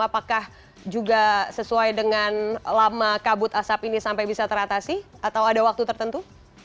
apakah juga sesuai dengan lama kabut asap ini sampai bisa teratasi atau ada waktu tertentu